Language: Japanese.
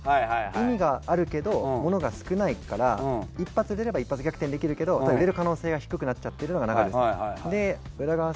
意味があるけど物が少ないから一発売れれば一発逆転できるけど売れる可能性が低くなっちゃってるのがＮａｋａｊｏｈさん。